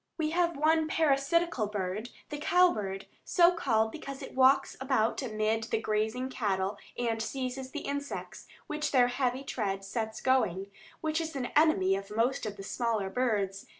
We have one parasitical bird, the cow bird, so called because it walks about amid the grazing cattle and seizes the insects which their heavy tread sets going, which is an enemy of most of the smaller birds.